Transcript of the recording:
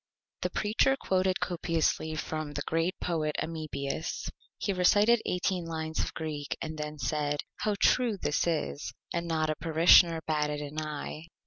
The Preacher quoted copiously from the Great Poet Amebius. He recited 18 lines of Greek and then said: "How true this is!" And not a Parishioner batted an Eye.